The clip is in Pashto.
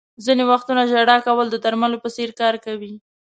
• ځینې وختونه ژړا کول د درملو په څېر کار کوي.